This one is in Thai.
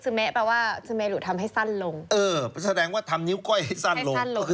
เออแทนกว่าทำนิ้วก้อยให้สั้นลงปลายนิ้วก้อยนั้นมีความสำคัญต่อนักพนันและสามุไรเป็นอย่างมาก